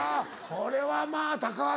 これはまぁ「高橋」